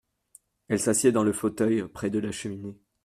Elle s’assied dans le fauteuil, près de la cheminée.